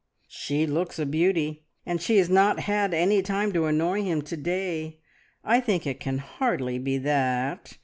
"She looks a beauty, and she has not had any time to annoy him to day. I think it can hardly be that.